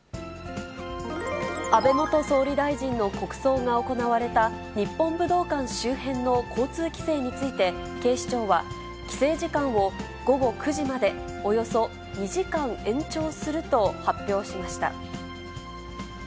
安倍元総理大臣の国葬が行われた日本武道館周辺の交通規制について、警視庁は、規制時間を午後９時まで、およそ２時間延長すると発表しました。